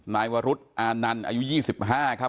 นายวรุษอานันต์อายุ๒๕ครับ